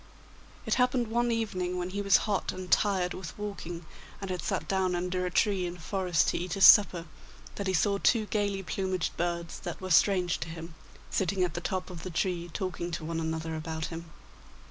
It happened one evening, when he was hot and tired with walking, and had sat down under a tree in a forest to eat his supper, that he saw two gaily plumaged birds, that were strange to him, sitting at the top of the tree talking to one another about him.